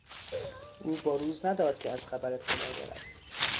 او بروز نداد که از خبر اطلاع دارد.